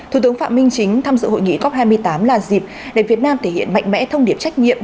thủ tướng phạm minh chính tham dự hội nghị cop hai mươi tám là dịp để việt nam thể hiện mạnh mẽ thông điệp trách nhiệm